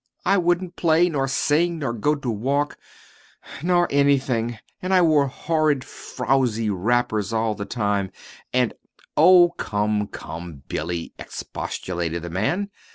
"I wouldn't play, nor sing, nor go to walk, nor anything; and I wore horrid frowzy wrappers all the time, and " "Oh, come, come, Billy," expostulated the man.